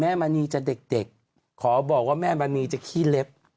มณีจะเด็กขอบอกว่าแม่มณีจะขี้เล็บ